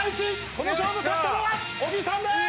この勝負勝ったのは小木さんでーす！